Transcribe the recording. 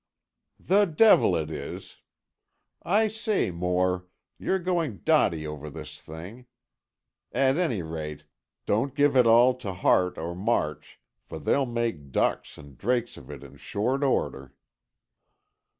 "The devil it is! I say, Moore, you're going dotty over this thing. At any rate, don't give it all to Hart or March, for they'll make ducks and drakes of it in short order."